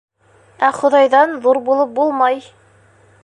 Ә Хоҙайҙан ҙур булып булмай.